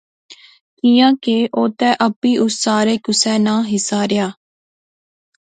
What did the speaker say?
کیاں کہ او تہ اپی اس سارے کُسے ناں حصہ رہیا